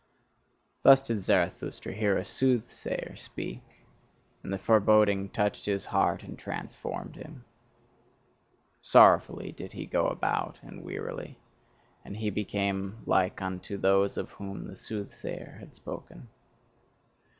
Thus did Zarathustra hear a soothsayer speak; and the foreboding touched his heart and transformed him. Sorrowfully did he go about and wearily; and he became like unto those of whom the soothsayer had spoken.